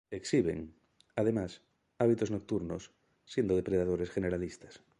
Exhiben, además, hábitos nocturnos, siendo depredadores generalistas.